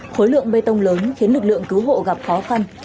khối lượng bê tông lớn khiến lực lượng cứu hộ gặp khó khăn